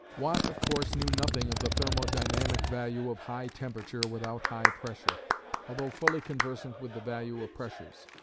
Watt of course knew nothing of the thermo dynamic value of high temperature without high pressure, altho fully conversant with the value of pressures.